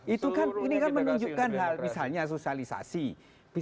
itu kan ini kan menunjukkan hal misalnya sosialisasi